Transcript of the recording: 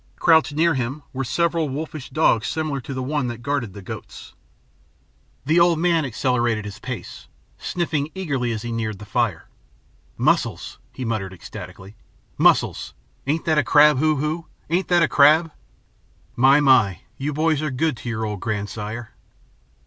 Crouched near him were several wolfish dogs similar to the one that guarded the goats. The old man accelerated his pace, sniffing eagerly as he neared the fire. "Mussels!" he muttered ecstatically. "Mussels! And ain't that a crab, Hoo Hoo? Ain't that a crab? My, my, you boys are good to your old grandsire."